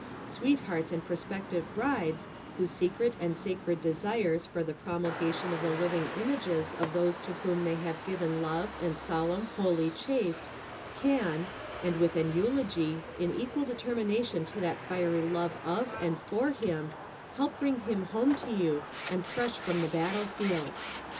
Sweethearts and prospective brides whose secret and sacred desires for the promulgation of the living images of those to whom they have given love and solemn, holy, chaste can, and with an eulogy in equal de termination to that fiery love of and for him, help bring him :home to you and fresh from the battlefield.